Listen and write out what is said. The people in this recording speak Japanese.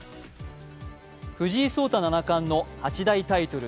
藤井聡太七冠の八大タイトル